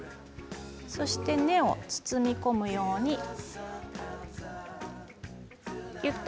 そして根っこを包み込むようにしてきゅっと。